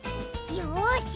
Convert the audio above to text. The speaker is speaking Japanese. よし！